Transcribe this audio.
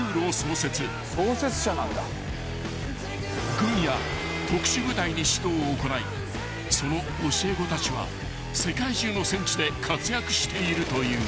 ［軍や特殊部隊に指導を行いその教え子たちは世界中の戦地で活躍しているという］